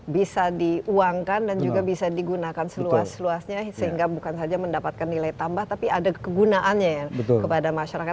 bisa diuangkan dan juga bisa digunakan seluas luasnya sehingga bukan saja mendapatkan nilai tambah tapi ada kegunaannya ya kepada masyarakat